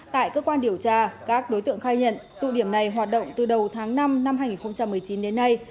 tại cơ quan điều tra các đối tượng khai nhận tụ điểm này hoạt động từ đầu tháng năm năm hai nghìn một mươi chín đến nay